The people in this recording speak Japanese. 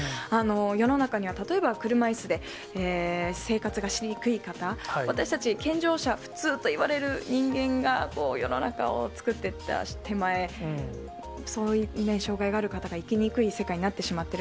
世の中には、例えば車いすで生活がしにくい方、私たち健常者、普通といわれる人間が世の中を作っていった手前、そういう障がいがある方が生きにくい世界になってしまっている。